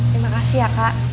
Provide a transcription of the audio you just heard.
terima kasih ya kak